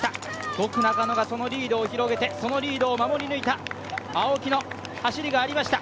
５区・中野がそのリードを広げて、そのリードを守り抜いた青木の走りがありました。